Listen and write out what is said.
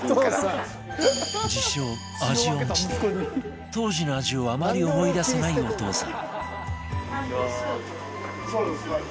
自称味音痴で当時の味をあまり思い出せないお父さん